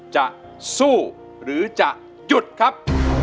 จะสู้หรือจะหยุดครับ